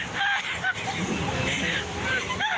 น้ำ